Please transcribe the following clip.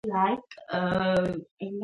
آیا چرګې په انګړ کې مښوکه وهله؟